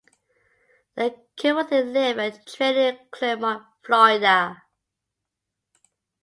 They currently live and train in Clermont, Florida.